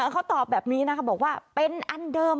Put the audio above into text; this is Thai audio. เขาตอบแบบนี้นะคะบอกว่าเป็นอันเดิม